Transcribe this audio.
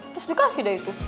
terus dikasih deh itu